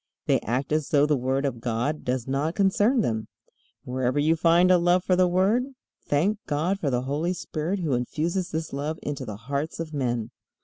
They act as though the Word of God does not concern them. Wherever you find a love for the Word, thank God for the Holy Spirit who infuses this love into the hearts of men.